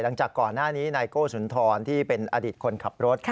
หลังจากก่อนหน้านี้นายโก้สุนทรที่เป็นอดีตคนขับรถ